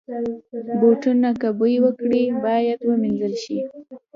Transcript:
بوټونه که بوی وکړي، باید وینځل شي.